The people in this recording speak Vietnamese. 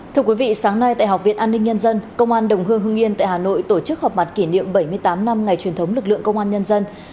thưa quý vị sáng nay tại học viện an ninh nhân dân công an đồng hương hương yên tại hà nội tổ chức họp mặt kỷ niệm bảy mươi tám năm ngày truyền thống lực lượng công an nhân dân